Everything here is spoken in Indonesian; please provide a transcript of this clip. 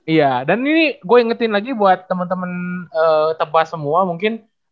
iya dan ini gue ingetin lagi buat teman teman tebas semua mungkin